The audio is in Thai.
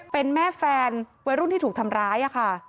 เป็นแม่แฟนวัยรุ่นที่ถูกทำร้ายค่ะ